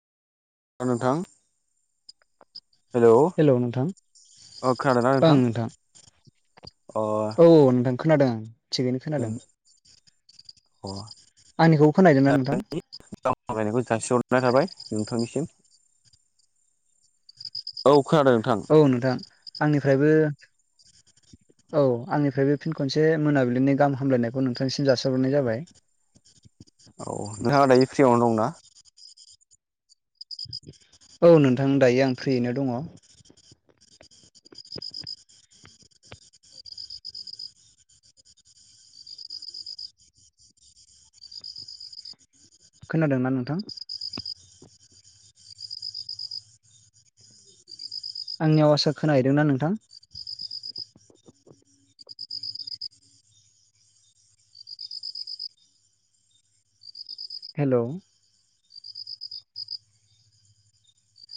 नोंथां हेल' अ खोनादोंना नोंथां अ औ नोंथां खोनादों थिगैनो जों खोनादों अ आंनिखौ खोनाहोयदोंना नोंथां गाहाम हामलायनायखौ जासिहरनाय थाबाय नोंथांनिसिम औ खोनादों नोंथां औ नोंथां आंनिफ्रायबो औ आंनिफ्राय बे फिन खनसे मोनाबिलिनि गाहामलायनायखौ नोंथांनिसिम जासिहरगग्रोनाय जाबाय औ नोंहा दायो फ्रियावनो दंना औ नोंथां दायो आं फ्रियैनो दङ खोनादोंना नोंथां आंनि आवासखो खोनाहैदों ना नोंथां हेल'